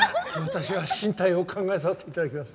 私は進退を考えさせて頂きます。